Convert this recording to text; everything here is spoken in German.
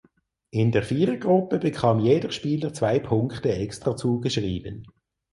In der Vierergruppe bekam jeder Spieler zwei Punkte extra zugeschrieben.